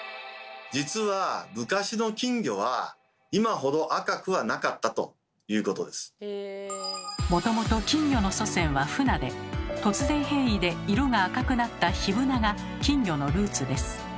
実はもともと金魚の祖先は「フナ」で突然変異で色が赤くなった「ヒブナ」が金魚のルーツです。